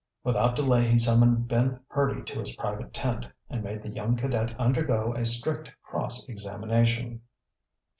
Without delay he summoned Ben Hurdy to his private tent and made the young cadet undergo a strict cross examination.